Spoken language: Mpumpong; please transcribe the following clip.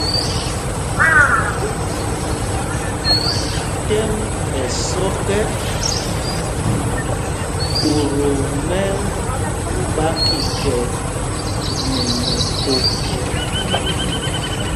Tɛ́m ɛsɔ́k ɛ, ɓot o mɛ́l ɓá kikɛ nɛ mɛkō.